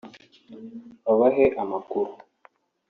babahe amakuru